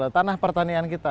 tanah pertanian kita